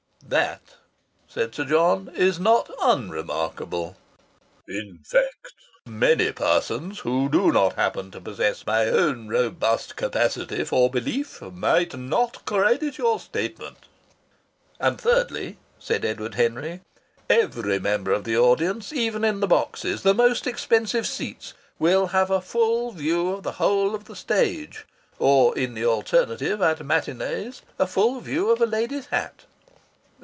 "That," said Sir John, "is not unremarkable. In fact many persons who do not happen to possess my own robust capacity for belief might not credit your statement." "And thirdly," said Edward Henry, "every member of the audience even in the boxes, the most expensive seats will have a full view of the whole of the stage or, in the alternative, at matinées, a full view of a lady's hat."